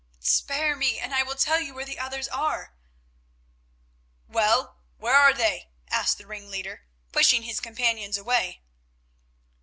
"Spare me, and I will tell you where the others are." "Well, where are they?" asked the ringleader, pushing his companions away.